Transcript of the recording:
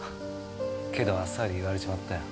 けどあっさり言われちまったよ。